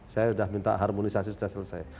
saya sudah minta harmonisasi sudah selesai